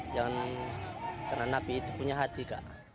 jangan kena napi itu punya hati kak